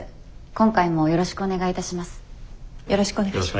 今回もよろしくお願いいたします。